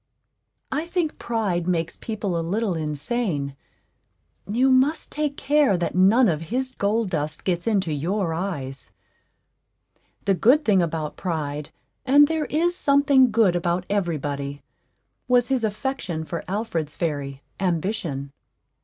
I think Pride makes people a little insane; you must take care that none of his gold dust gets into your eyes. The good thing about Pride and there is something good about every body was his affection for Alfred's fairy, Ambition.